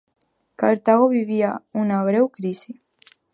Cartago vivia una greu crisi.